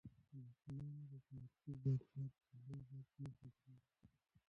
د ماشومانو د تمرکز وړتیا په لوبو کې ښه کېږي.